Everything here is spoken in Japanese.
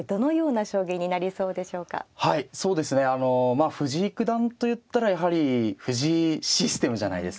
まあ藤井九段といったらやはり藤井システムじゃないですか。